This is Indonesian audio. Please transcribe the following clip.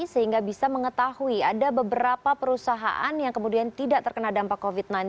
sehingga bisa mengetahui ada beberapa perusahaan yang kemudian tidak terkena dampak covid sembilan belas